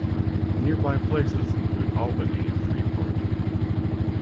Nearby places include Albany and Freeport.